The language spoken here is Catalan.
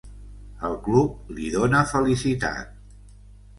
El club li dona felicitat.